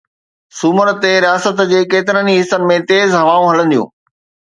سومر تي رياست جي ڪيترن ئي حصن ۾ تيز هوائون هلنديون